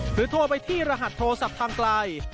โทรไปที่รหัสโทรศัพท์ทางไกล